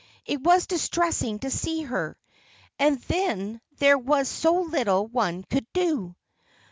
It was distressing to see her. And then there was so little one could do!"